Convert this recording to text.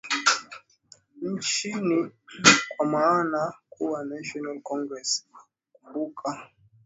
nchini kwa maana kuwa national congress unakumbuka hawakutaka hii